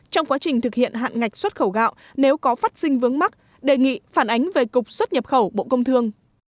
trong quá trình thực hiện hạn ngạch xuất khẩu gạo nếu có phát sinh vướng mắt đề nghị phản ánh về cục xuất nhập khẩu bộ công thương